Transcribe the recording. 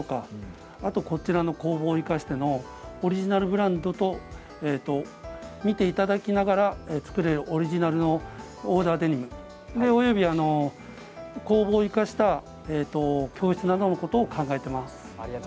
あと工房を生かしてのオリジナルブランドと見ていただきながら作れるオリジナルのオーダーデニムおよび工房を生かした教室などを考えています。